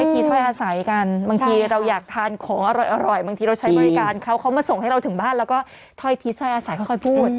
ทีถ้อยอาศัยกันบางทีเราอยากทานของอร่อยบางทีเราใช้บริการเขาเขามาส่งให้เราถึงบ้านแล้วก็ถ้อยทีถ้อยอาศัยค่อยพูด